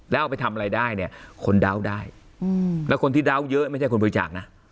แล้วเอาไปทำอะไรได้เนี่ยคนเดาได้แล้วคนที่เดาเยอะไม่ใช่คนบริจาคนะ